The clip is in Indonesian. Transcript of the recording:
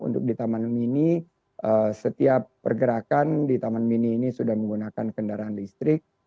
untuk di taman mini setiap pergerakan di taman mini ini sudah menggunakan kendaraan listrik